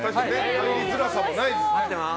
入りづらさもないね。